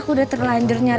kita permisi pulang dulu ya be